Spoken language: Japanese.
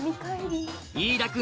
飯田君